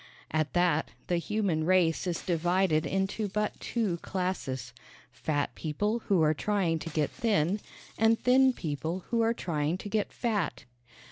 At that, the human race is divided into but two classes fat people who are trying to get thin and thin people who are trying to get fat.